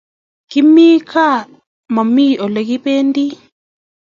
Kimi kaa mami olekependi